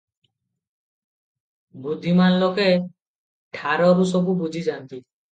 ବୁଦ୍ଧିମାନ ଲୋକେ ଠାରରୁ ସବୁ ବୁଝିଯାନ୍ତି ।